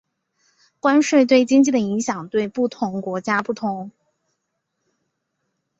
关税对经济的影响对不同国家不同。